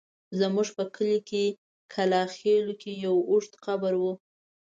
زموږ په کلي کلاخېلو کې يو اوږد قبر و.